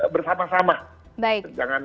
bersama sama baik jangan